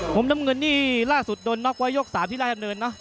ผมน้ำเงินนี่ล่าสุดโดนน็อกไว้ยก๓ที่ร่ายภาพเงิน